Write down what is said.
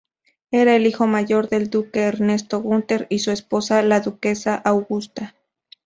Era el hijo mayor del duque Ernesto Gunter y su esposa, la duquesa Augusta.